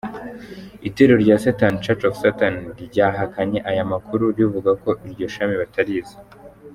Itorero rya Satani, Church of Satan ryahakanye aya makuru rivuga ko iryo shami batarizi.